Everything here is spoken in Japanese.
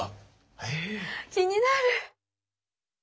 気になる！